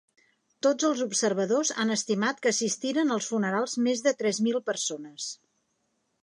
Tots els observadors han estimat que assistiren als funerals més de tres mil persones.